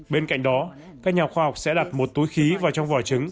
bên cạnh đó các nhà khoa học sẽ đặt một túi khí và trong vỏ trứng